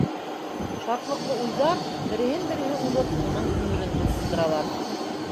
Шатлыҡлы уйҙар, береһен-береһе уҙып, уның күңелен тулҡындыралар.